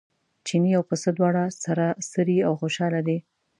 چیني او پسه دواړه سره څري او خوشاله دي.